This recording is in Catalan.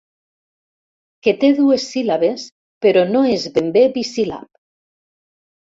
Que té dues síl·labes però no és ben bé bisíl·lab.